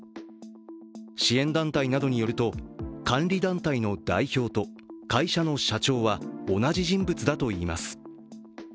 支援団体などによると監理団体の代表と会社の社長は同じ人物だといいます。